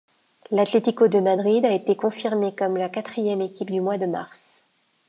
L'Atlético de Madrid a été confirmé comme la quatrième équipe au mois de mars.